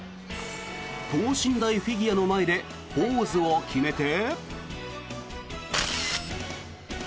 等身大フィギュアの前でポーズを決めて。